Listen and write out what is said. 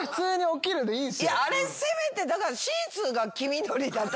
あれせめてだからシーツが黄緑だった。